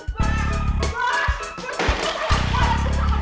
bc dia karambut